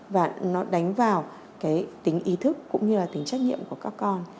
và nó đánh vào cái tính ý thức cũng như là tính trách nhiệm của các con